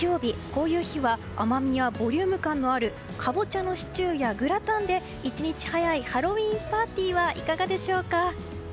こういう日は、甘みやボリューム感のあるカボチャのシチューやグラタンで１日早いハロウィーンパーティーはいかがでしょうか。